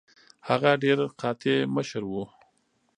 هغه ډیره قاطع مشره وه.